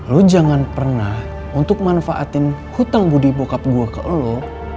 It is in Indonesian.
lo jangan pernah untuk manfaatin hutang budi bokap gue ke lo